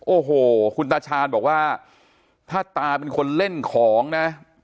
โอ้โหคุณตาชาญบอกว่าถ้าตาเป็นคนเล่นของนะ